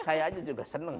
saya aja juga seneng